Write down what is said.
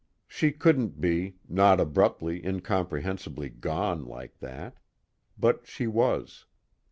She couldn't be not abruptly, incomprehensibly gone like that; but she was.